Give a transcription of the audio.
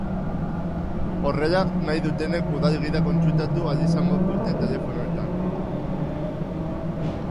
Horrela, nahi dutenek udal gida kontsultatu ahal izango dute telefonoetan.